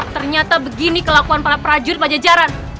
ternyata begini kelakuan para prajurit pada jajaran